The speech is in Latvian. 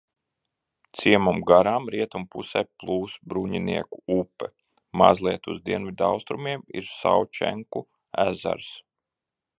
Ciemam garām rietumpusē plūst Bruņinieku upe, mazliet uz dienvidaustrumiem ir Saučenku ezers.